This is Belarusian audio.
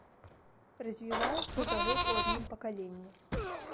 Развіваецца за год у адным пакаленні.